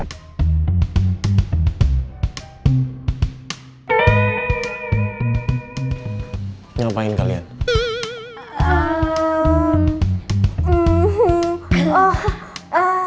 aku janji aku akan jadi istri yang lebih baik lagi buat kamu